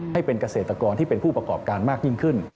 ให้เป็นเกษตรกรที่เป็นผู้ประกอบการมากยิ่งขึ้น